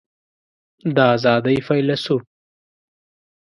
د آزادۍ فیلیسوف